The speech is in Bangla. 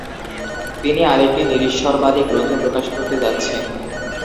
তিনি আরেকটি নিরীশ্বরবাদী গ্রন্থ প্রকাশ করতে যাচ্ছেন।